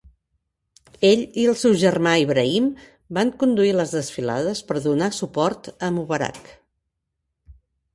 Ell i el seu germà Ibrahim van conduir les desfilades per donar suport a Mubarak.